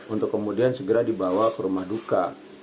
untuk kemudian segera dibawa ke rumah duka